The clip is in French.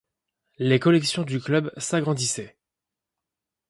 Les collections du club s'agrandissaient.